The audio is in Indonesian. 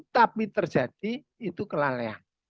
tapi terjadi itu kelalehan